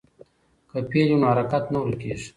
که فعل وي نو حرکت نه ورکېږي.